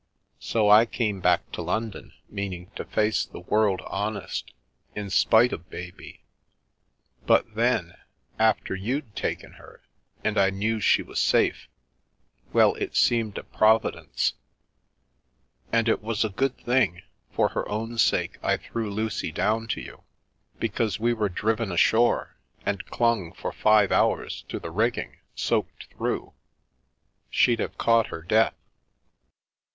So I came back to London, meaning to face the world hon 204 u A Long Lost Parent est, in spite of baby, but then — after you'd taken her and I knew she was safe — well, it seemed a Providence. And it was a good thing, for her own sake, I threw Lucy down to you, because we were driven ashore, and clung for five hours to the rigging, soaked through. She'd have caught her death."